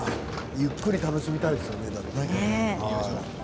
ゆっくり楽しみたいですよね。